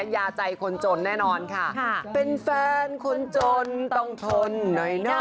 ยาใจคนจนแน่นอนค่ะเป็นแฟนคนจนต้องทนหน่อยนะ